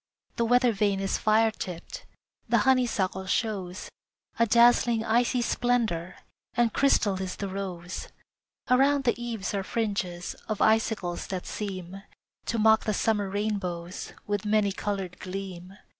The weather vane is fire tipped, The honeysuckle shows A dazzling icy splendor, And crystal is the rose. Around the eaves are fringes Of icicles that seem To mock the summer rainbows With many colored gleam.